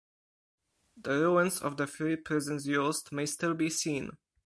The ruins of the three prisons used may still be seen.